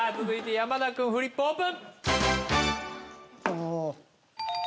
続いて山田君フリップオープン！